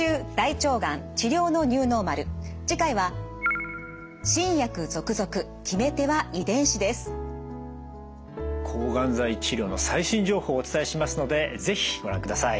次回は抗がん剤治療の最新情報をお伝えしますので是非ご覧ください。